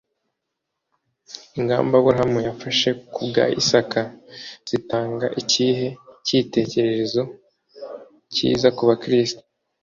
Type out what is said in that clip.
ingamba aburahamu yafashe ku bwa isaka zitanga ikihe cy’ikitegererezo cyiza ku bakristo